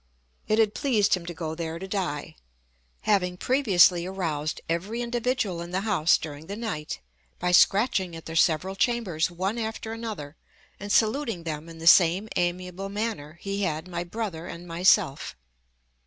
It had pleased him to go there to die, having previously aroused every individual in the house during the night by scratching at their several chambers one after another, and saluting them in the same amiable manner he had my brother and myself."